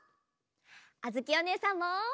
あづきおねえさんも！